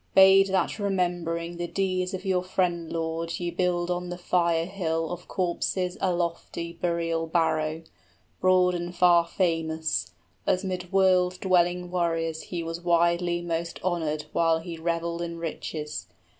} Bade that remembering the deeds of your friend lord 40 Ye build on the fire hill of corpses a lofty Burial barrow, broad and far famous, As 'mid world dwelling warriors he was widely most honored While he reveled in riches.